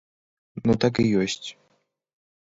Ну так і ёсць.